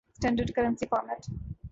standard currency format